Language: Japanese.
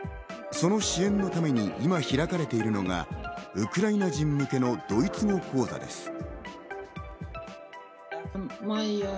その支援のために今開かれているのがウクライナ人向けのドイツ語講座です。